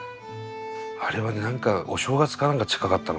あれはね何かお正月か何か近かったのかな？